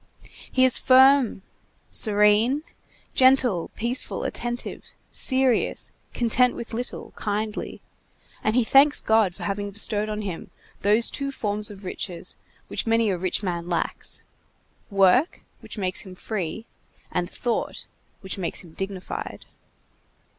He is firm, serene, gentle, peaceful, attentive, serious, content with little, kindly; and he thanks God for having bestowed on him those two forms of riches which many a rich man lacks: work, which makes him free; and thought, which makes him dignified.